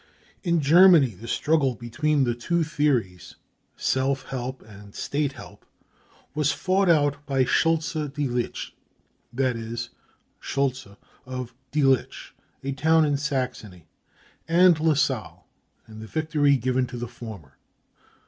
In Germany the struggle between the two theories—self help and state help—was fought out by Schultze Delitsch—that is, Schultze of Delitsch, a town in Saxony—and Lasalle, and the victory given to the former.